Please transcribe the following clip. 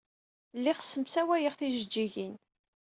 Lliɣ ssemsawayeɣ tijejjigin.